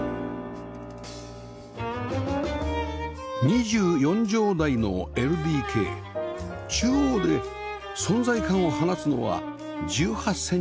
２４畳大の ＬＤＫ中央で存在感を放つのは１８センチ角の大黒柱